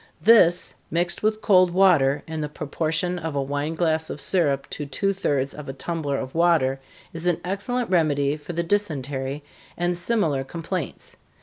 This, mixed with cold water, in the proportion of a wine glass of syrup to two thirds of a tumbler of water, is an excellent remedy for the dysentery, and similar complaints.